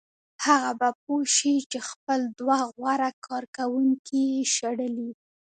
هغه به پوه شي چې خپل دوه غوره کارکوونکي یې شړلي